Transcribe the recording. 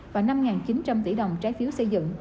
và năm chín trăm linh tỷ đồng trái phiếu xây dựng